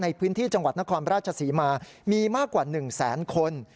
ในพื้นที่จังหวัดนครราชศรีมามีมากกว่า๑แสนคน